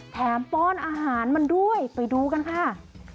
ป้อนอาหารมันด้วยไปดูกันค่ะ